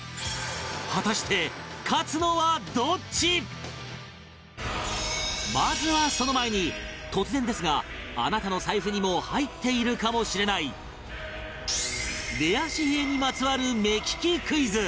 果たしてまずはその前に突然ですがあなたの財布にも入っているかもしれないレア紙幣にまつわる目利きクイズ